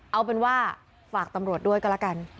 เอาเป็นว่าฝากตำรวจด้วยก็แล้วกัน